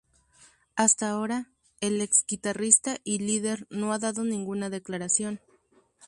Hasta ahora, el ex guitarrista y líder no ha dado ninguna declaración.